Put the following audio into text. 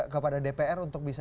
kepada dpr untuk bisa